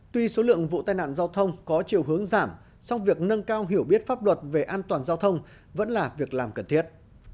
tuy số lượng vụ tai nạn giao thông có chiều hướng giảm song việc nâng cao hiểu biết pháp luật về an toàn giao thông vẫn là việc làm cần thiết